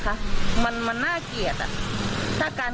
คุณผู้ชมครับ